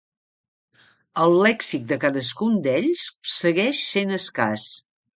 El lèxic de cadascun d'ells segueix sent escàs.